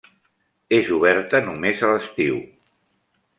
És oberta només a l'estiu.